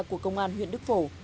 của công an huyện đức phổ